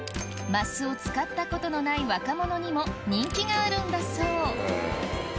枡を使ったことのない若者にも人気があるんだそう